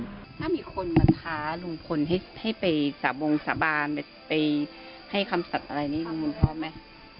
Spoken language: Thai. ถ้ามีคนมาท้าลุงพลให้ไปสาบงสาบานไปให้คำสัตว์อะไรนี่ลุงพลพร้อมไหม